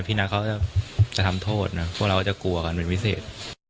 นักเขาจะทำโทษนะพวกเราก็จะกลัวกันเป็นพิเศษ